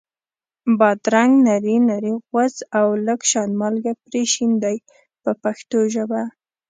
بادرنګ نري نري غوڅ او لږ شان مالګه پرې شیندئ په پښتو ژبه.